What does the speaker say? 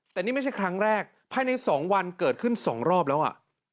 แต่นี่ไม่ใช่ครั้งแรกภายใน๒วันเกิดขึ้น๒รอบแล้วอ่ะ